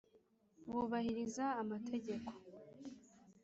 Bubahiriza amategeko.